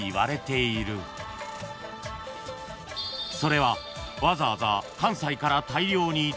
［それはわざわざ］